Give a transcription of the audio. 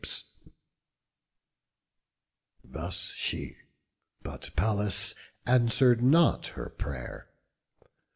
Thus she; but Pallas answer'd not her pray'r.